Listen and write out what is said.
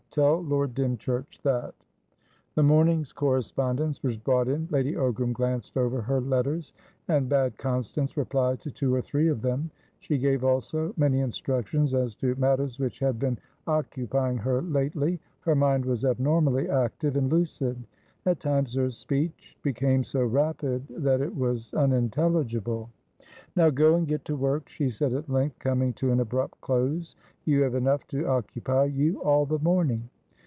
Tell Lord Dymchurch that." The morning's correspondence was brought in. Lady Ogram glanced over her letters, and bade Constance reply to two or three of them. She gave, also, many instructions as to matters which had been occupying her lately; her mind was abnormally active and lucid; at times her speech became so rapid that it was unintelligible. "Now go and get to work," she said at length, coming to an abrupt close. "You've enough to occupy you all the morning."